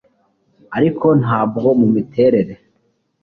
ariko ntabwo mumiterere